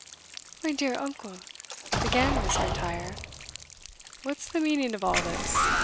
"My dear uncle!" began Miss M'Intyre. "What's the meaning of all this?"